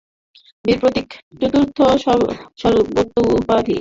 বীর প্রতীক চতুর্থ সর্বোচ্চ উপাধি।